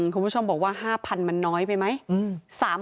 คุณผู้ชมบอกว่า๕๐๐๐มันน้อยไปไหม